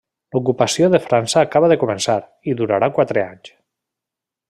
L'ocupació de França acaba de començar, i durarà quatre anys.